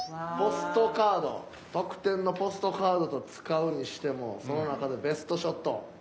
ポストカード特典のポストカードと使うにしてもその中でベストショット。